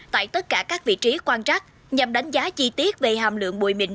tại tất cả các vị trí quan trắc nhằm đánh giá chi tiết về hàm lượng bụi mịn